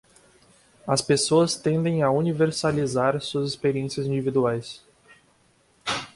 As pessoas tendem a universalizar suas experiências individuais